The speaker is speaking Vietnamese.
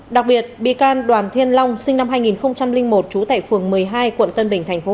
đặc biệt bị can đoàn thiên long sinh năm hai nghìn một trú tại phường một mươi hai quận tân bình tp